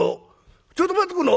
ちょっと待ってくんな！